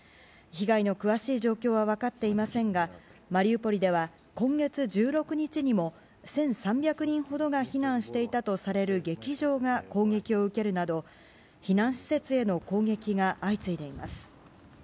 被害の詳しい状況は分かっていませんがマリウポリでは今月１６日にも１３００人ほどが避難していたとされる劇場が攻撃を受けるなど避難施設への攻撃が相次いでいます。